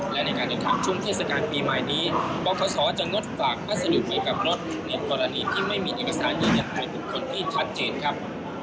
และในการเดินทางช่วงเทศกาลปีใหม่นี้บศจะงดฝากภาษาอยู่ในกลับรถในกรณีที่ไม่มีเอกสารอย่างใหญ่ให้ทุกคนที่ทัดเจนครับ